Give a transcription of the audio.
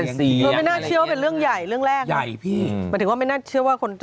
ไม่น่าเชื่อเป็นเรื่องใหญ่เรื่องแรกไม่น่าเชื่อว่าคนเจอ